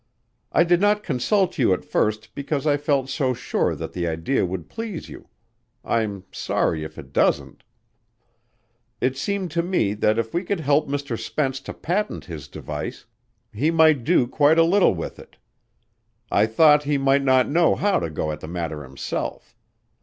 "I did not consult you at first because I felt so sure that the idea would please you. I'm sorry if it doesn't. It seemed to me that if we could help Mr. Spence to patent his device, he might do quite a little with it. I thought he might not know how to go at the matter himself.